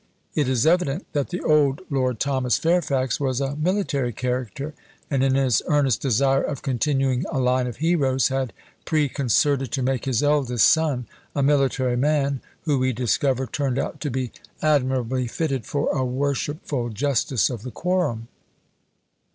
It is evident that the old Lord Thomas Fairfax was a military character, and in his earnest desire of continuing a line of heroes, had preconcerted to make his eldest son a military man, who we discover turned out to be admirably fitted for a worshipful justice of the quorum.